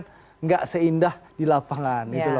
tidak seindah di lapangan